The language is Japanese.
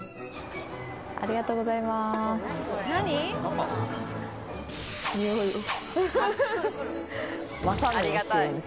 ありがとうございます。